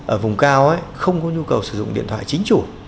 ở vùng cao không có nhu cầu sử dụng điện thoại chính chủ